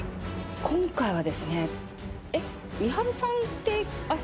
今回はですね。